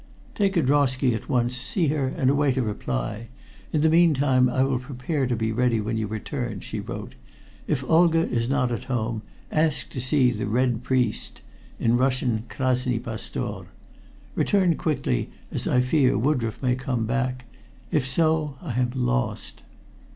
"Take a drosky at once, see her, and await a reply. In the meantime, I will prepare to be ready when you return," she wrote. "If Olga is not at home, ask to see the Red Priest in Russian, 'Krasny pastor.' Return quickly, as I fear Woodroffe may come back. If so, I am lost."